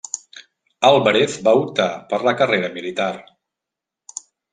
Álvarez va optar per la carrera militar.